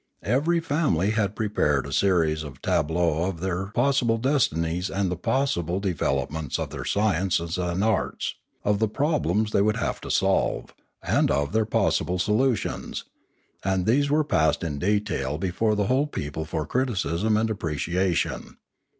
Every family had prepared a series of tableaux of their possible destinies and the possible de velopments of their sciences and arts, of the problems they would have to solve, and of their possible solu tions, and these were passed in detail before the whole people for criticism and appreciation.